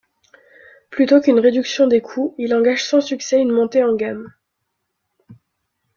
Plutôt qu'une réduction des coûts, il engage sans succès une montée en gamme.